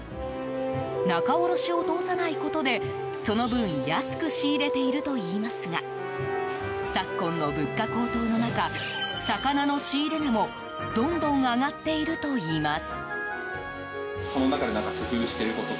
仲卸を通さないことでその分安く仕入れているといいますが昨今の物価高騰の中魚の仕入れ値もどんどん上がっているといいます。